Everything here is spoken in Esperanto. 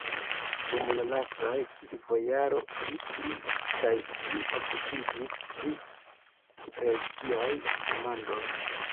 Dum la lastaj vivojaro li pli kaj pli okupiĝis pri relgiaj demandoj.